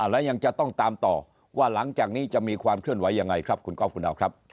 และยังจะต้องตามต่อว่าหลังจากนี้จะมีความเคลื่อนไหวยังไงครับคุณก๊อฟคุณดาวครับ